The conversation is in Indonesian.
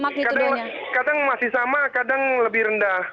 kadang masih sama kadang lebih rendah